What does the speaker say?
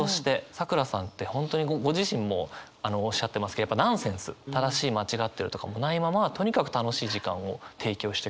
さくらさんって本当にご自身もおっしゃってますけどやっぱナンセンス正しい間違ってるとかもないままとにかく楽しい時間を提供してくれるっていう意味で。